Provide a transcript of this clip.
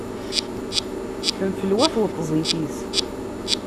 Tenfelwa tweṭzit-is.